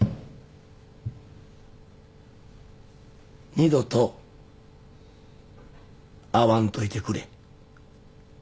二度と会わんといてくれ。